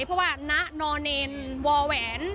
เพราะว่านะนอเนนวอเเหว้น